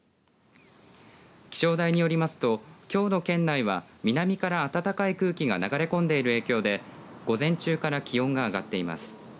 気象台によりますときょうの県内は南から暖かい空気が流れ込んでいる影響で午前中から気温が上がっています。